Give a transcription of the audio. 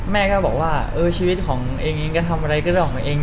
แม่ก็บอกว่าชีวิตของเองก็ทำอะไรก็ได้ออกมาเอง